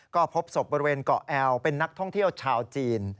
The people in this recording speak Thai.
ก็พบศพบริเวณเกาะแอลเป็นนักท่องเที่ยวชาวจีน